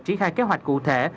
trí khai kế hoạch cụ thể